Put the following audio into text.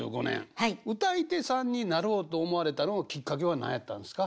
歌い手さんになろうと思われたきっかけは何やったんですか？